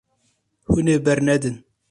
Hûn ê bernedin.